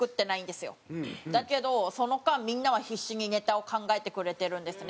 だけどその間みんなは必死にネタを考えてくれてるんですね。